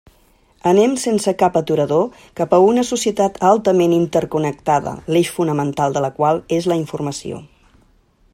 Anem, sense cap aturador, cap a una societat altament interconnectada l'eix fonamental de la qual és la informació.